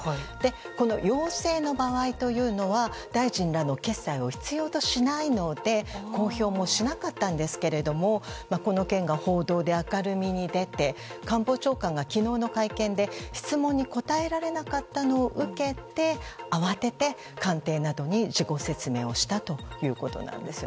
この要請の場合というのは大臣らの決裁を必要としないので公表もしなかったんですがこの件が報道で明るみに出て官房長官が昨日の会見で、質問に答えられなかったのを受けて慌てて官邸などに事後説明をしたということです。